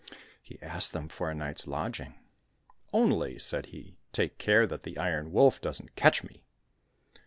He asked them for a night's lodging. " Only," said he, '' take care that the Iron Wolf doesn't catch me